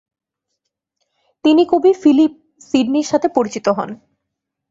তিনি কবি ফিলিপ সিডনির সাথে পরিচিত হন।